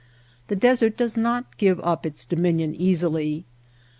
The desert does not give up its dominion easily.